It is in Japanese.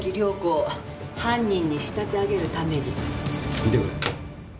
見てくれ。